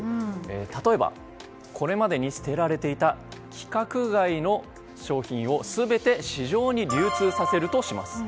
例えばこれまでに捨てられていた規格外の商品を全て市場に流通させるとします。